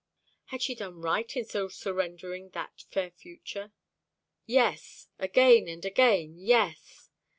Had she done right in so surrendering that fair future? Yes, again and again yes.